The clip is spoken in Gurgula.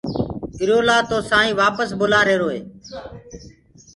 ايٚرو لآ تو سآئينٚ وآپس بلآ هيروئي